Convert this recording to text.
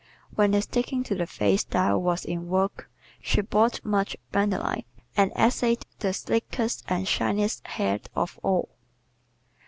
When the "sticking to the face" style was in vogue she bought much bandoline and essayed the sleekest and shiniest head of all.